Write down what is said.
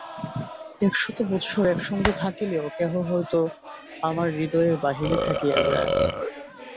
একশত বৎসর একসঙ্গে থাকিলেও কেহ হয়তো আমার হৃদয়ের বাহিরে থাকিয়া যায়।